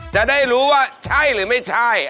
จะได้รู้ว่าใช่หรือไม่ใช่